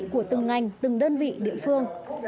của từng ngành từng đơn vị địa phương